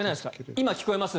今、聞こえますか？